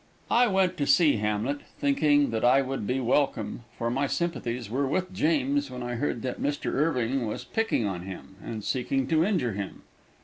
I went to see Hamlet, thinking that I would be welcome, for my sympathies were with James when I heard that Mr. Irving was picking on him and seeking to injure him.